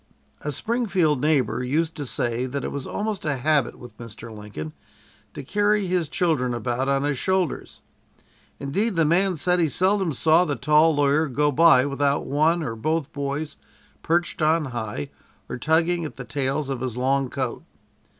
A Springfield neighbor used to say that it was almost a habit with Mr. Lincoln to carry his children about on his shoulders. Indeed, the man said he seldom saw the tall lawyer go by without one or both boys perched on high or tugging at the tails of his long coat.